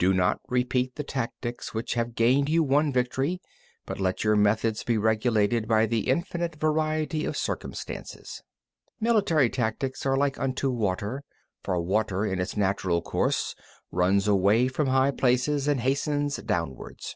28. Do not repeat the tactics which have gained you one victory, but let your methods be regulated by the infinite variety of circumstances. 29. Military tactics are like unto water; for water in its natural course runs away from high places and hastens downwards.